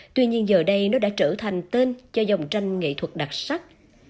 tuy nhiên giờ đây nó đã trở thành tên cho dòng tranh nghệ thuật đặc sắc